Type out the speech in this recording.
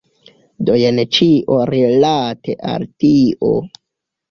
Do jen ĉio rilate al tio.